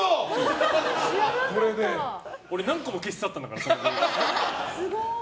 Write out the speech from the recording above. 俺、何個も消し去ったんだから。